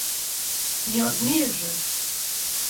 Не о змеях же?